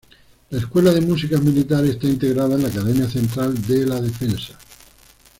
La Escuela de Músicas Militares está integrada en la Academia Central de la Defensa.